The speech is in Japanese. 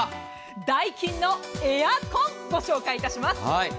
ダイキンのエアコンご紹介します。